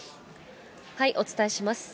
お伝えします。